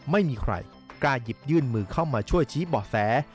ไม่มีใครกล้าหยิบยื่นมือเข้ามาช่วยชี้เบาะแส